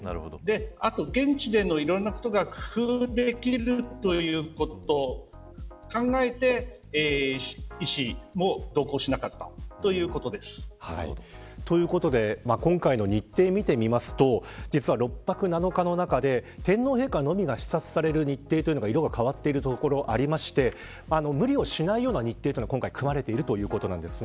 あと現地でのいろいろなことが工夫できるということを考えて医師も同行しなかったということで今回の日程を見てみると実は６泊７日の中で天皇陛下のみが視察される日程が色が変わっているところがありまして無理をしないような日程が今回組まれているということなんです。